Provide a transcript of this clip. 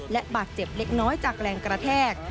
และบาดเจ็บเล็กน้อยจากแรงกระแทก